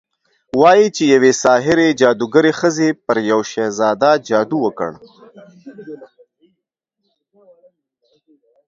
وايي چې يوې ساحرې، جادوګرې ښځې پر يو شهزاده جادو وکړ